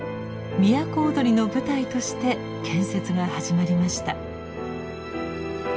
都をどりの舞台として建設が始まりました。